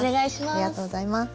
ありがとうございます。